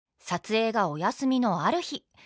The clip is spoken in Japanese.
撮影がお休みのある日。